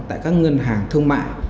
tại các ngân hàng thương mại